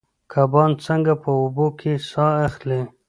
کبان څنګه په اوبو کې ساه اخلي؟